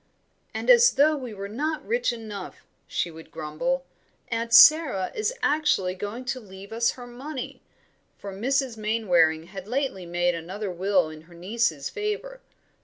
"And as though we were not rich enough," she would grumble, "Aunt Sara is actually going to leave us her money" for Mrs. Mainwaring had lately made another will in her nieces' favour.